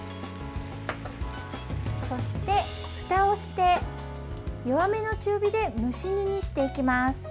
そして、ふたをして弱めの中火で蒸し煮にしていきます。